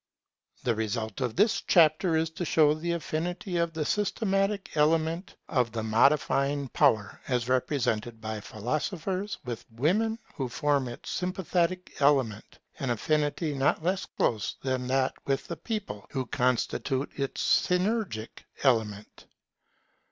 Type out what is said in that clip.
The result of this chapter is to show the affinity of the systematic element of the modifying power, as represented by philosophers, with women who form its sympathetic element; an affinity not less close than that with the people, who constitute its synergic element.